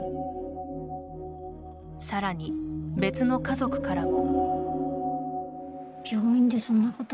さらに別の家族からも。